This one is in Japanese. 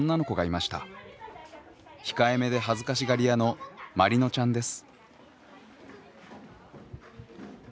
控えめで恥ずかしがり屋のまりのちゃんです。